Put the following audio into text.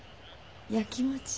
やきもち？